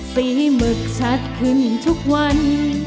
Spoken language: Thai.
หมึกชัดขึ้นทุกวัน